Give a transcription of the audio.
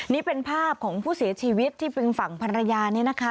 นี่เป็นภาพของผู้เสียชีวิตที่เป็นฝั่งภรรยานี่นะคะ